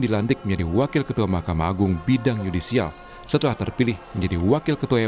dilantik menjadi wakil ketua mahkamah agung bidang judisial setelah terpilih menjadi wakil ketua